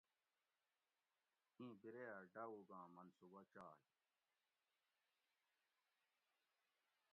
ایں بیرے ھہ ڈاوگاں منصوبہ چائ